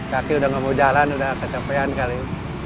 kaki udah gak mau jalan udah kecapean kali